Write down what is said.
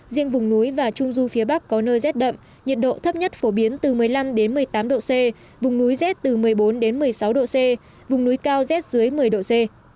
riêng vùng núi và trung du phía bắc có nơi rét đậm nhiệt độ thấp nhất phổ biến từ một mươi năm một mươi tám độ c vùng núi rét từ một mươi bốn đến một mươi sáu độ c vùng núi cao rét dưới một mươi độ c